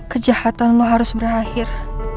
kejahatan lo harus berakhir